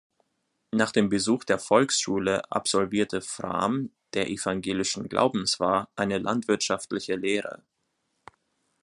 Nach dem Besuch der Volksschule absolvierte Frahm, der evangelischen Glaubens war, eine landwirtschaftliche Lehre.